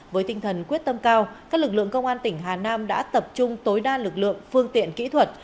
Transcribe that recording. với tinh thần quyết tâm cao các lực lượng công an tỉnh hà nam đã tập trung tối đa lực lượng phương tiện kỹ thuật